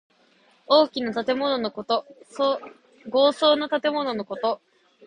大きな建物のこと。豪壮な建物のこと。